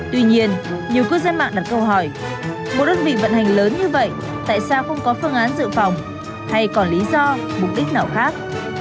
tuy nhiên nhiều cư dân mạng đặt câu hỏi một đơn vị vận hành lớn như vậy tại sao không có phương án dự phòng hay còn lý do mục đích nào khác